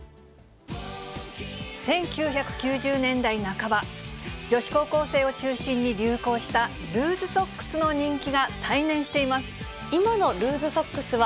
１９９０年代半ば、女子高校生を中心に流行したルーズソックスの人気が再燃していま今のルーズソックスは、